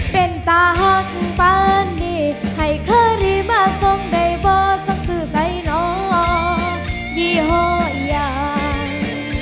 เป็นตาฮักปันนี่ให้เค้ารีมาส่งได้บ่สังสือใต้น้อยี่โฮยัง